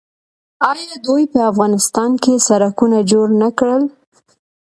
آیا دوی په افغانستان کې سړکونه جوړ نه کړل؟